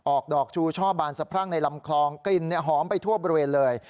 ออกดอกชูช่อบานสะพรั่งในลำคลองกลิ่นหอมไปทั่วบริเวณเลย